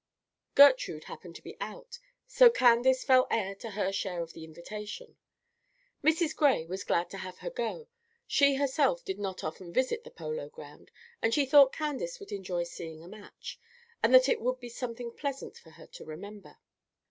Gertrude happened to be out; so Candace fell heir to her share of the invitation. Mrs. Gray was glad to have her go. She herself did not often visit the Polo Ground, and she thought Candace would enjoy seeing a match, and that it would be something pleasant for her to remember.